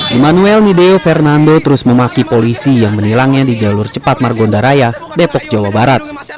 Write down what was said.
immanuel mideo fernando terus memaki polisi yang menilangnya di jalur cepat margonda raya depok jawa barat